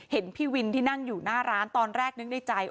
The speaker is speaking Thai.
เห็นพี่วินที่นั่งอยู่หน้าร้านตอนแรกนึกในใจ